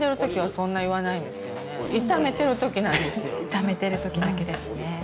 炒めてる時だけですね。